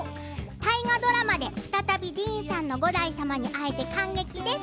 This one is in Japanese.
大河ドラマで再びディーン様の五代様に会えて感激です。